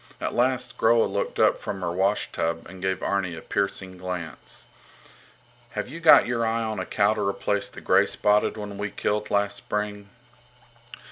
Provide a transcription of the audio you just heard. At last Groa looked up from her washtub and gave Arni a piercing glance. Have you got your eye on a cow to replace the greyspotted one we killed last spring?